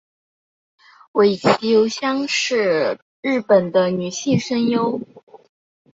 尾崎由香是日本的女性声优。